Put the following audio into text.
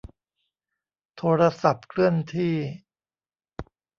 โทรศัพท์เคลื่อนที่